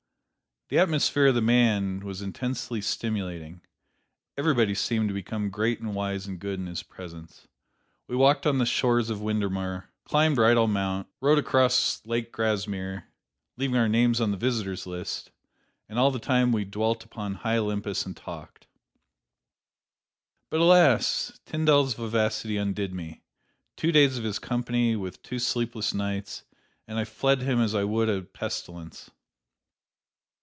"The atmosphere of the man was intensely stimulating: everybody seemed to become great and wise and good in his presence. "We walked on the shores of Windermere, climbed Rydal Mount, rowed across Lake Grasmere (leaving our names on the visitors' list), and all the time we dwelt upon high Olympus and talked. "But, alas! Tyndall's vivacity undid me: two days of his company, with two sleepless nights, and I fled him as I would a pestilence."